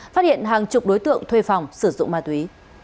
phát hiện hàng chục đối tượng thuê phòng sử dụng ma túy